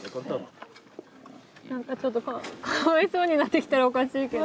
何かちょっとかわいそうになってきたらおかしいけど。